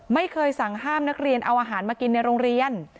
ไม่เคยสั่งห้ามนักเรียนเอาอาหารมากินในโรงเรียน